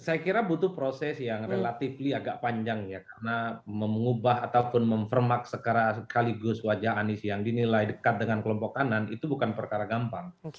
saya kira butuh proses yang relatif agak panjang ya karena mengubah ataupun memfermak sekaligus wajah anies yang dinilai dekat dengan kelompok kanan itu bukan perkara gampang